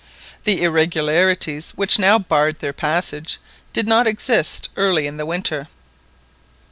The irregularities which now barred their passage did not exist early in the winter.